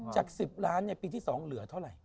จาก๑๐ล้านปีที่๒เหลือเท่าไหร่